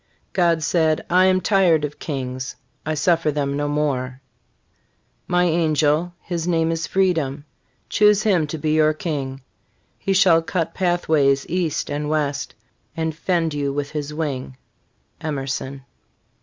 God said, I am tired of kings, I suffer them no more; My angel, his name is Freedom, Choose him to be your King; He shall cut pathways east and wt st, And fend you with his wing. Emerson.